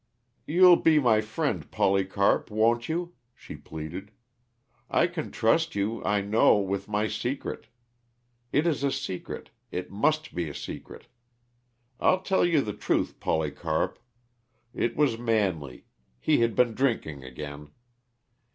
"You'll be my friend, Polycarp, won't you?" she pleaded. "I can trust you, I know, with my secret. It is a secret it must be a secret! I'll tell you the truth, Polycarp. It was Manley he had been drinking again.